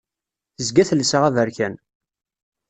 Tezga telsa aberkan.